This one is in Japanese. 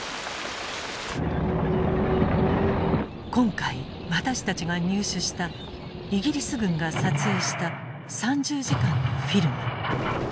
今回私たちが入手したイギリス軍が撮影した３０時間のフィルム。